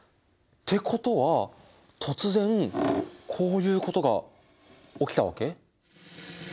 てことは突然こういうことが起きたわけ？